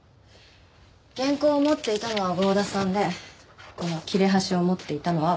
原稿を持っていたのは郷田さんでこの切れ端を持っていたのは私。